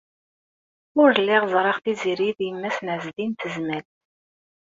Ur lliɣ ẓriɣ Tiziri d yemma-s n Ɛezdin n Tezmalt.